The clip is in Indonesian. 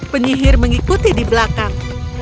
penyihir mengikuti di belakang